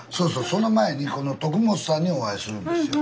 その前にこの元さんにお会いするんですよ。